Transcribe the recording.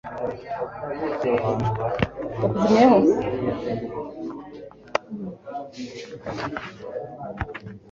Numvise ko muganira kuri terefone